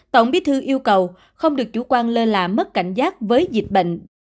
tổng bí thư yêu cầu không được chủ quan lơ là mất cảnh giác với dịch bệnh